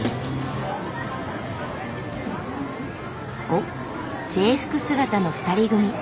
おっ制服姿の２人組。